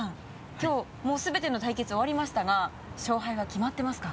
きょうもう全ての対決終わりましたが勝敗は決まってますか？